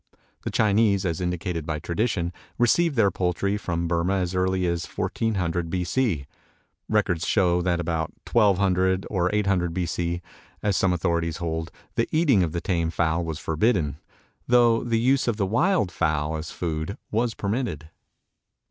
The Chinese, as indicated by tradition, received their poultry from Burmah as early as 1400 B. C. Records show that about 1200 or 800 B. C., as some authorities hold, the eating of the tame fowl was forbidden, though the use of the wild fowl as food was permitted.